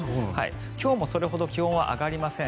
今日もそれほど気温は上がりません。